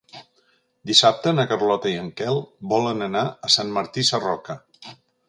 Dissabte na Carlota i en Quel volen anar a Sant Martí Sarroca.